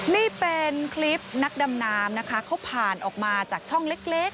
นี่เป็นคลิปนักดำน้ำนะคะเขาผ่านออกมาจากช่องเล็ก